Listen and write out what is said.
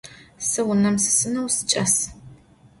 Se vunem sisıneu siç'as.